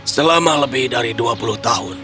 selama lebih dari dua puluh tahun